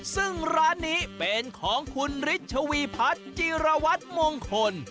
ซึ่งร้านนี้เป็นของคุณฤชวีพัฒน์จีรวัตรมงคล